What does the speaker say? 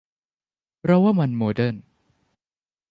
เราว่ามันโมเดิร์น